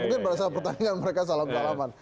mungkin pada saat pertandingan mereka salam salaman